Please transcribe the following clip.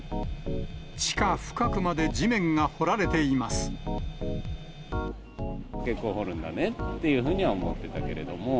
地下深くまで地面が掘られていま結構掘るんだねっていうふうには思ってたけれども。